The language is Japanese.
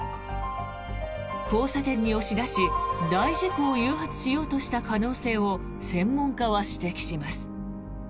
交差点に押し出し、大事故を誘発しようとした可能性を専門家は指摘します。